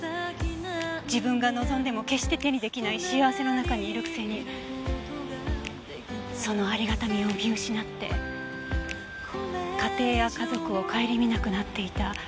自分が望んでも決して手に出来ない幸せの中にいるくせにそのありがたみを見失って家庭や家族を省みなくなっていた。